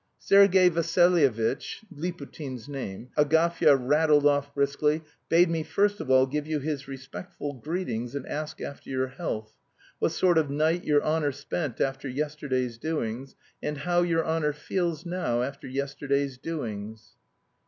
"Sergay Vassilyevitch" (Liputin's name), Agafya rattled off briskly, "bade me first of all give you his respectful greetings and ask after your health, what sort of night your honour spent after yesterday's doings, and how your honour feels now after yesterday's doings?"